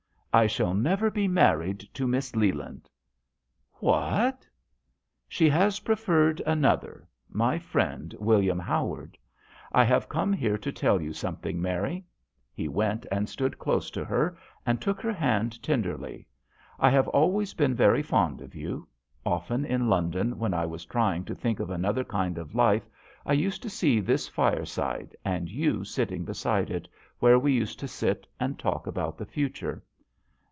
" I shall never be married to Miss Leland." " What ?"" She has preferred another my friend William Howard. I have come here to tell you some thing, Mary." He went and stood close to her and took her hand tenderly. " I have always been very fond of you. Often in Lon don, when I was trying to think of another kind of life, I used to see this fireside and you sitting beside it, where we used to sit and talk about the future.